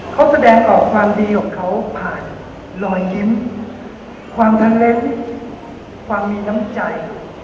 เขาแสดงออกความดีของเขาผ่านรอยยิ้มความทั้งเล้งความมีน้ำใจ